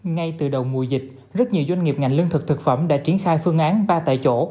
ngay từ đầu mùa dịch rất nhiều doanh nghiệp ngành lương thực thực phẩm đã triển khai phương án ba tại chỗ